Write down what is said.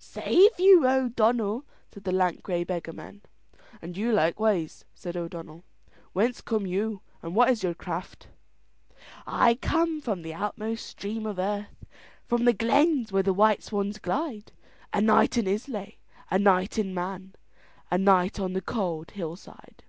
"Save you, O'Donnell," said the lank grey beggarman. "And you likewise," said O'Donnell. "Whence come you, and what is your craft?" "I come from the outmost stream of earth, From the glens where the white swans glide, A night in Islay, a night in Man, A night on the cold hillside."